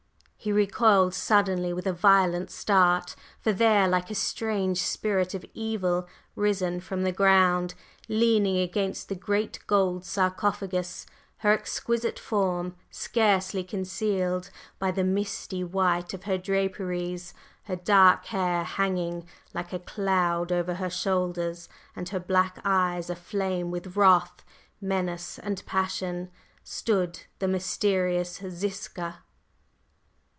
…" He recoiled suddenly with a violent start, for there, like a strange Spirit of Evil risen from the ground, leaning against the great gold sarcophagus, her exquisite form scarcely concealed by the misty white of her draperies, her dark hair hanging like a cloud over her shoulders, and her black eyes aflame with wrath, menace and passion, stood the mysterious Ziska!